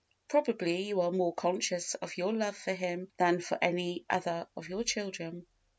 Probably you are more conscious of your love for him than for any other of your children.